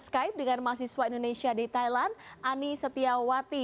di sini kami bersama dengan mahasiswa indonesia di thailand ani setiawati